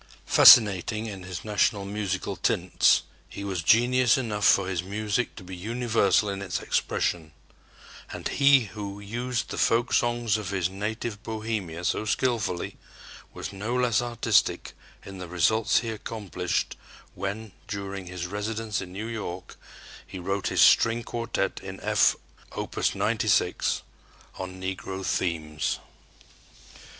Fascinating in his national musical tints, he was genius enough for his music to be universal in its expression; and he who used the folksongs of his native Bohemia so skillfully was no less artistic in the results he accomplished when, during his residence in New York, he wrote his string quartet in F (Opus 96) on Negro themes.